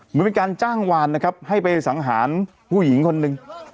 เหมือนเป็นการจ้างวานนะครับให้ไปสังหารผู้หญิงคนหนึ่ง